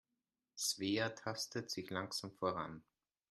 Svea tastet sich langsam voran.